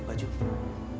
iya pak saya berumus dulu